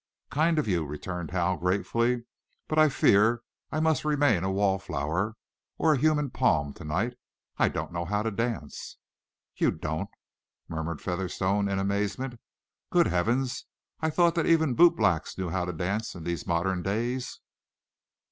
"Kind of you," returned Hal, gratefully. "But I fear I must remain a wall flower, or a human palm to night. I don't know how to dance." "You don't?" murmured Featherstone, in amazement. "Good heavens! I thought even the bootblacks knew how to dance in these modern days!"